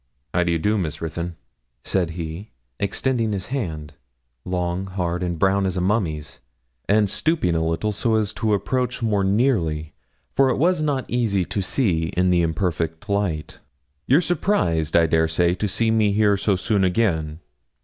'How do you do, Miss Ruthyn?' said he, extending his hand, long, hard, and brown as a mummy's, and stooping a little so as to approach more nearly, for it was not easy to see in the imperfect light. 'You're surprised, I dare say, to see me here so soon again?'